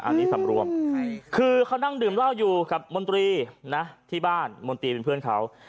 อันนี้สำรวมคือเขานั่งดื่มเหล้าอยู่กับมนตรีนะที่บ้านมนตรีเป็นเพื่อนเขา